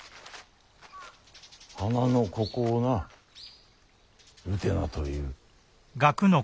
花のここをな「うてな」という。